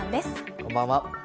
こんばんは。